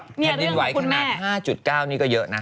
แผ่นดินไหวขนาด๕๙นี่ก็เยอะนะ